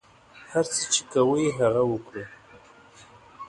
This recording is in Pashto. هر څه چې کوئ هغه وکړئ.